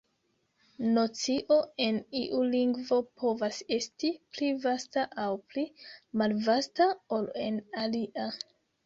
Nocio en iu lingvo povas esti pli vasta aŭ pli malvasta ol en alia.